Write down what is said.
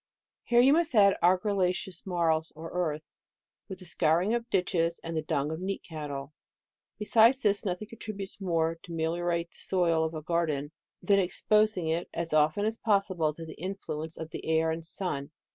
Here you must add argilla ceous marls or earth, with the scouring of ditches, and the dung of neat cattle. Besides this, nothing contributes more to meliorate the soil of a garden, than exposing it as often as possible to the influence of the air and sun.